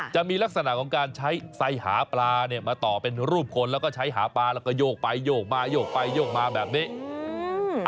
จะมีลักษณะของการใช้ไซหาปลาเนี่ยมาต่อเป็นรูปคนแล้วก็ใช้หาปลาแล้วก็โยกไปโยกมาโยกไปโยกมาแบบนี้อืม